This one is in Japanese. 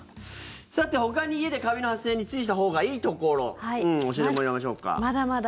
ほかに家でカビの発生に注意したほうがいいところ教えてもらいましょうか。